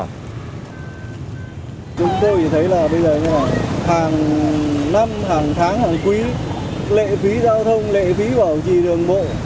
chúng tôi thì thấy là bây giờ hàng năm hàng tháng hàng quý lệ phí giao thông lệ phí bảo trì đường bộ